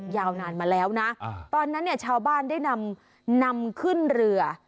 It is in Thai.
ยาวนานมาแล้วนะตอนนั้นเนี่ยชาวบ้านได้นำนำขึ้นเรือ